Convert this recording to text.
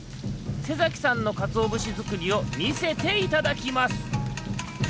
瀬崎さんのかつおぶしづくりをみせていただきます。